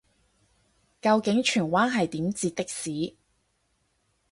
究竟荃灣係點截的士